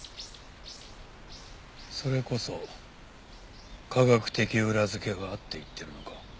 それこそ科学的裏付けがあって言ってるのか？